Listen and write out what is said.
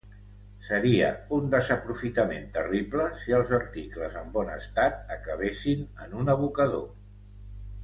Seria un desaprofitament terrible si els articles en bon estat acabessin en un abocador.